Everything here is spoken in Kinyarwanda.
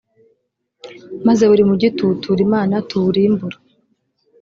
maze buri mugi tuwutura imana tuwurimbura: